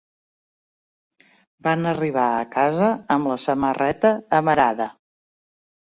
Va arribar a casa amb la samarreta amarada.